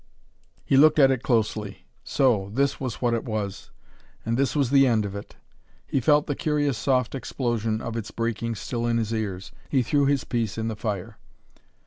He looked at it closely. So this was what it was. And this was the end of it. He felt the curious soft explosion of its breaking still in his ears. He threw his piece in the fire.